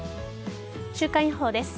週間予報です。